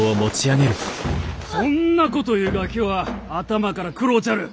そんなこと言うガキは頭から食ろうちゃる！